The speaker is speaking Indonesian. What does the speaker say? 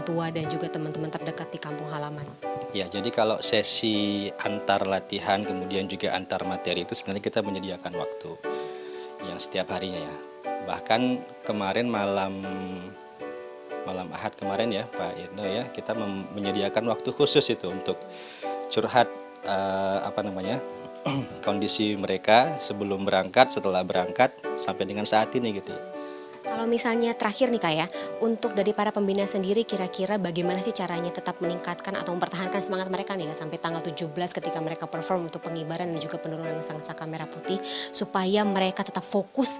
tetapi teman teman di samping halaman suci yang juga akan menyebarkan bendera merah putih